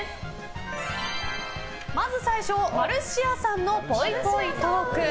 まず最初、マルシアさんのぽいぽいトーク。